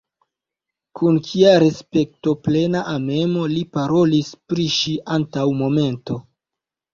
Kun kia respektoplena amemo li parolis pri ŝi antaŭ momento.